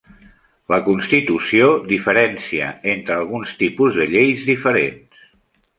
La Constitució diferencia entre alguns tipus de lleis diferents.